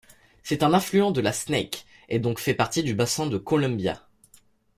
C'est un affluent de la Snake, et donc fait partie du bassin du Columbia.